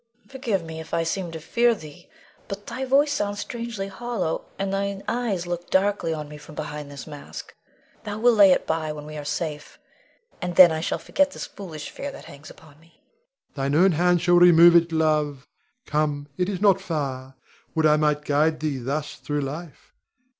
Forgive me, if I seem to fear thee; but thy voice sounds strangely hollow, and thine eyes look darkly on me from behind this mask. Thou wilt lay it by when we are safe, and then I shall forget this foolish fear that hangs upon me. Rod. Thine own hands shall remove it, love. Come, it is not far. Would I might guide thee thus through life!